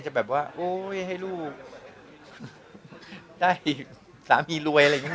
จะแบบว่าโอ๊ยให้ลูกได้สามีรวยอะไรอย่างนี้